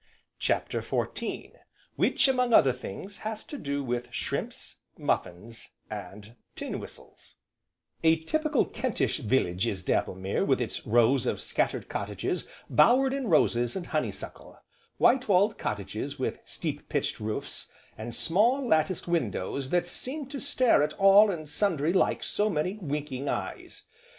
CHAPTER XIV Which, among, other things, has to do with shrimps, muffins, and tin whistles A typical Kentish Village is Dapplemere with its rows of scattered cottages bowered in roses and honeysuckle, white walled cottages with steep pitched roofs, and small latticed windows that seem to stare at all and sundry like so many winking eyes.